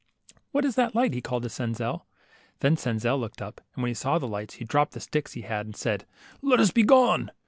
What is that light ?" he called to Senzel. Then Senzel looked up, and when he saw the lights, he dropped the sticks he had, and said, Let us he gone.